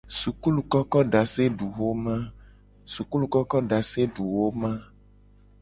Sukulukokodaseduxoma.